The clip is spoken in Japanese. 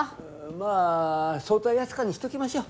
まあ早退扱いにしときましょう。